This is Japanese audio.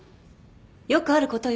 よくあることよ。